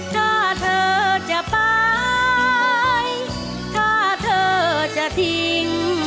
ถ้าเธอจะไปถ้าเธอจะทิ้ง